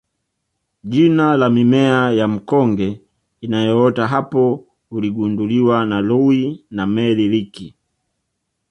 jina la mimea ya mkonge inayoota hapo uligunduliwa na Loui na Mary Leakey